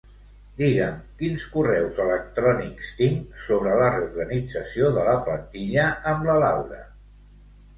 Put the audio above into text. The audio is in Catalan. Digue'm quins correus electrònics tinc sobre la reorganització de la plantilla amb la Laura.